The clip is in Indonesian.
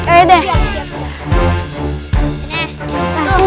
ini nah kayunya